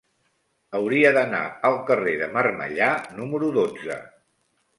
Hauria d'anar al carrer de Marmellà número dotze.